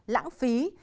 lãnh đạo và quản lý